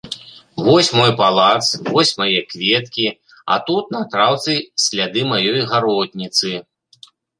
Вось мой палац, вось мае кветкі, а тут на траўцы сляды маёй гаротніцы.